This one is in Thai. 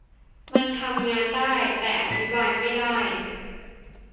มันทำงานได้ แต่อธิบายไม่ได้